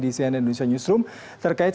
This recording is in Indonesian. di cnn indonesia newsroom terkait